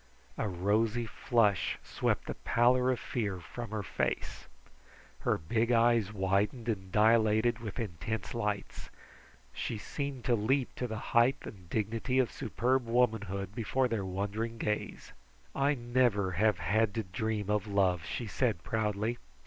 A rosy flush swept the pallor of fear from her face. Her big eyes widened and dilated with intense lights. She seemed to leap to the height and the dignity of superb womanhood before their wondering gaze. "I never have had to dream of love," she said proudly.